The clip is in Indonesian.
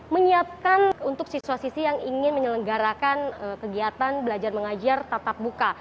menyiapkan untuk siswa siswa yang ingin menyelenggarakan kegiatan belajar mengajar tatap muka